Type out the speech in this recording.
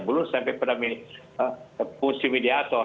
belum sampai pada fungsi mediator